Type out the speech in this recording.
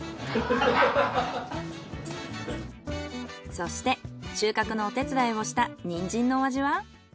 そして収穫のお手伝いをしたニンジンのお味は？